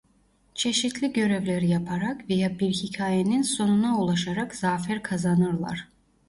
Çeşitli görevler yaparak veya bir hikayenin sonuna ulaşarak zafer kazanırlar.